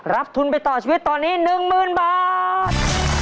ทุนไปต่อชีวิตตอนนี้๑๐๐๐บาท